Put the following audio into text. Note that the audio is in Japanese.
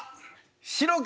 白黒。